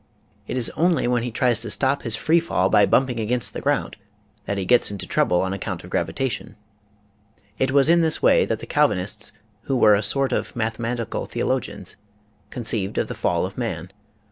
It is only when he tries to stop his free fall by bumping HOW TO LOSE WEIGHT 81 against the ground that he gets into trouble on ac count of gravitation. It was in this way that the CaJ vinists, who were a sort of mathematical theologians, conceived of the fall of man.